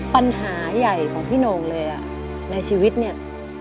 ปัญหาใหญ่ของพี่โน่งเลยในชีวิตเนี่ย